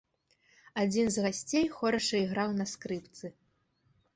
Адзін з гасцей хораша іграў на скрыпцы.